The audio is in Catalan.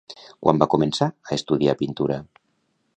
Quan va començar a estudiar pintura?